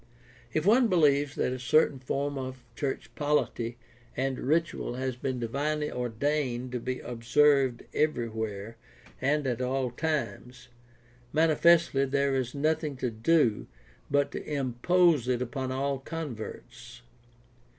If one believes that a certain form of church polity and ritual has been divinely ordained to be observed everywhere and at all times, manifestly there is nothing to do but to impose it upon all converts.